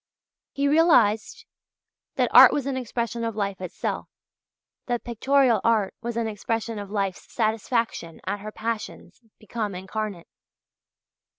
He realized that art was an expression of life itself, that pictorial art was an expression of life's satisfaction at her passions become incarnate.